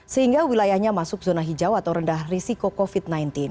sehingga wilayahnya masuk zona hijau atau rendah risiko covid sembilan belas